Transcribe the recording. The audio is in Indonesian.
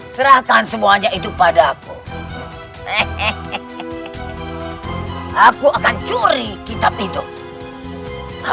sampai jumpa di video selanjutnya